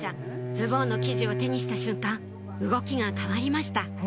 ズボンの生地を手にした瞬間動きが変わりました